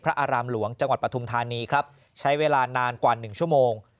อารามหลวงจังหวัดปฐุมธานีครับใช้เวลานานกว่า๑ชั่วโมง